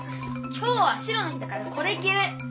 今日は白の日だからこれきる！